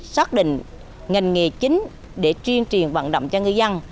xác định ngành nghề chính để truyền truyền vận động cho ngư dân